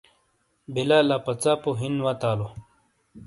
بیلا لاپہ ژاپو ہِین واتالو ۔